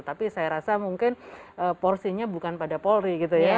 tapi saya rasa mungkin porsinya bukan pada polri gitu ya